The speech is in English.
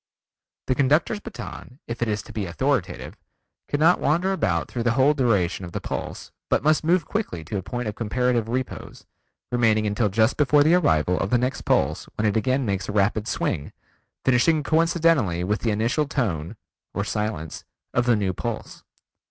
The conductor's baton, if it is to be authoritative, cannot wander about through the whole duration of the pulse but must move quickly to a point of comparative repose, remaining until just before the arrival of the next pulse when it again makes a rapid swing, finishing coincidently with the initial tone (or silence) of the new pulse.